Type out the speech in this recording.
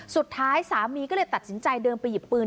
สุดท้ายสามีก็เลยตัดสินใจเดินไปหยิบปืน